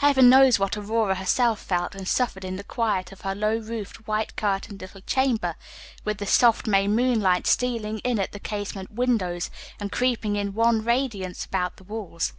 Heaven knows what Aurora herself felt and suffered in the quiet of her low roofed, white curtained little chamber, with the soft May moonlight stealing in at the casement windows, and creeping in wan radiance about the walls.